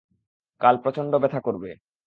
কাল প্রচণ্ড ব্যথা করবে।